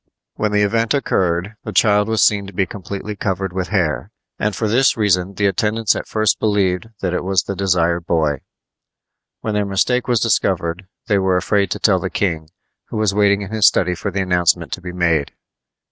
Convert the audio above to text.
When the event occurred, the child was seen to be completely covered with hair, and for this reason the attendants at first believed that it was the desired boy. When their mistake was discovered they were afraid to tell the king, who was waiting in his study for the announcement to be made.